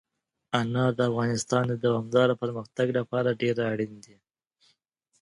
انار د افغانستان د دوامداره پرمختګ لپاره ډېر اړین دي.